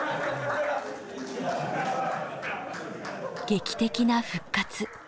劇的な復活。